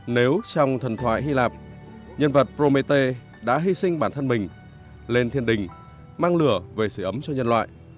nếu trong thần thoại hy lạp nhân vật promete đã hy sinh bản thân mình lên thiên đình mang lửa về xử ấm cho nhân loại